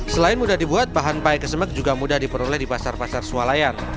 selain mudah dibuat bahan pae kesembek juga mudah diperoleh di pasar pasar sualayan